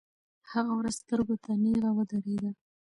هغه ورځ سترګو ته نیغه ودرېده.